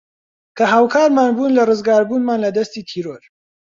کە هاوکارمان بوون لە رزگاربوونمان لە دەستی تیرۆر